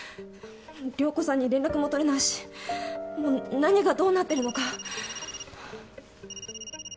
涼子さんに連絡も取れないしもう何がどうなってるのか。